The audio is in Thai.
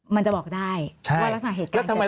มันจะบอกได้ว่ารักษณะเหตุการณ์เป็นอะไร